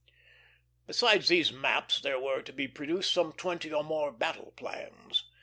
Besides the maps, there were to be produced some twenty or more battle plans.